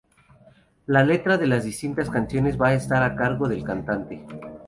La letra de las distintas canciones va estar a cargo del cantante.